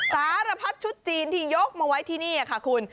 สารพัดชุดจีนที่ยกมาไว้ที่นี่ค่ะคุณ